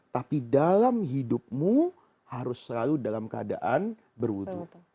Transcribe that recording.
tapi dalam hidupmu harus selalu dalam keadaan berwudhu